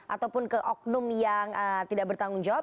ataupun ke oknum yang tidak bertanggung jawab